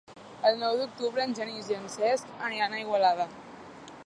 El nou d'octubre en Genís i en Cesc aniran a Igualada.